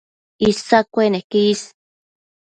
Isa cueneque is